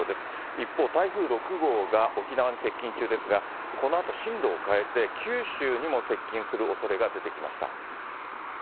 一方、台風６号が沖縄に接近中ですが、このあと、進路を変えて、九州にも接近するおそれが出てきました。